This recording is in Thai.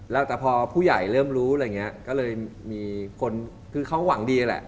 แล้วแต่พอผู้ใหญ่เริ่มรู้อะไรอย่างนี้